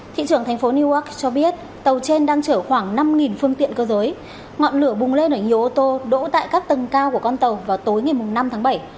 thị trưởng thành phố newark cho biết tàu trên đang chở khoảng năm phương tiện cơ giới ngọn lửa bùng lên ở nhiều ô tô đỗ tại các tầng cao của con tàu vào tối ngày năm tháng bảy